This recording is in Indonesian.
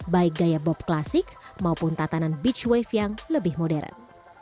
baik gaya bob klasik maupun tatanan beach wave yang lebih modern